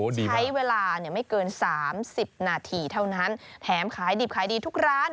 ใช้เวลาเงี้ยไม่เกินสามสิบนาทีเท่านั้นแถมขายดีบขายดีทุกร้าน